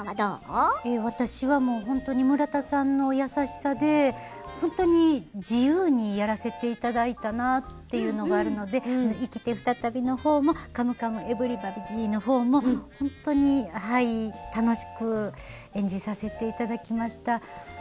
私は村田さんの優しさで本当に自由にやらせていただいたなっていうのがあるので「生きて、ふたたび」のほうも「カムカムエヴリバディ」のほうも本当に楽しく演じさせていただきました。